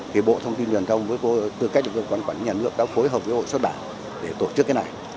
thì bộ thông tin điện thông với tư cách được gần quản nhận được đã phối hợp với hội xuất bản để tổ chức cái này